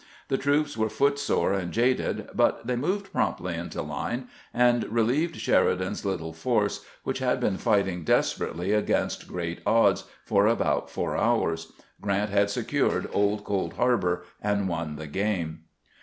The troops were footsore and jaded. w. F. smith's troops 163 but they moved promptly into line, and relieved Sheri dan's little force, which had been fighting desperately against great odds for about four hours. Q rant had secured Old Cold Harbor, and won the game.